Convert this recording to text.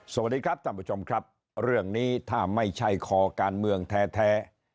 สวัสดีครับท่านผู้ชมครับเรื่องนี้ถ้าไม่ใช่คอการเมืองแท้